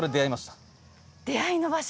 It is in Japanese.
出会いの場所。